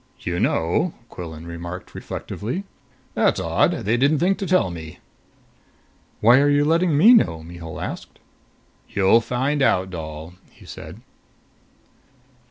"You know," Quillan remarked reflectively, "that's odd! They didn't think to tell me." "Why are you letting me know?" Mihul asked. "You'll find out, doll," he said.